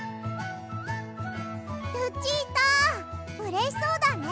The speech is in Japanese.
ルチータうれしそうだね。